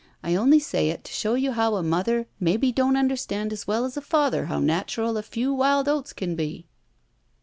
I only say it to show you how a mother maybe don't under stand as well as a father how natural a few wild oats can be."